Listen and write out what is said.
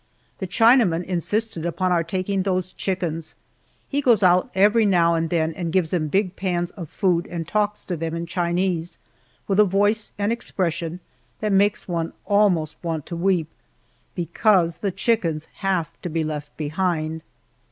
The Chinaman insisted upon our taking those chickens! He goes out every now and then and gives them big pans of food and talks to them in Chinese with a voice and expression that makes one almost want to weep, because the chickens have to be left behind.